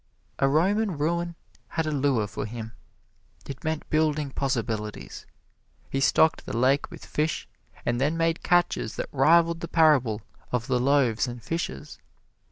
A Roman ruin had a lure for him. It meant building possibilities. He stocked the lake with fish, and then made catches that rivaled the parable of the loaves and fishes.